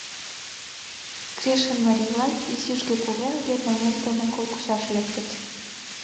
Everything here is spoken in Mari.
Крешын марий-влак изижге-кугужге намет дене кол кучаш лектыт.